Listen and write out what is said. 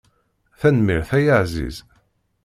Tanemmirt ay aεziz.